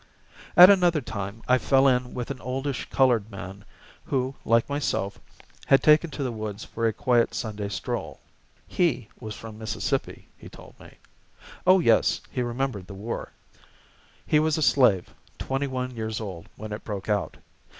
At another time I fell in with an oldish colored man, who, like myself, had taken to the woods for a quiet Sunday stroll. He was from Mississippi, he told me. Oh, yes, he remembered the war; he was a slave, twenty one years old, when it broke out.